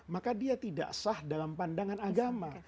maka dia tidak sah dalam pandangan agama